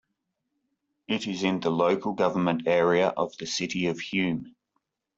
It is in the local government area of the City of Hume.